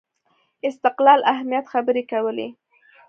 استقلال اهمیت خبرې کولې